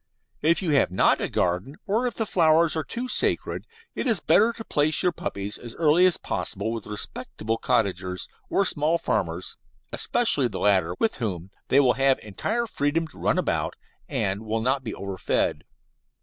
If you have not a garden, or if the flowers are too sacred, it is better to place your puppies as early as possible with respectable cottagers, or small farmers, especially the latter, with whom they will have entire freedom to run about, and will not be overfed.